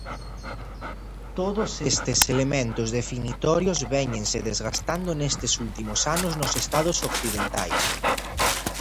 Todos estes elementos definitorios véñense desgastando nestes últimos anos nos Estados occidentais.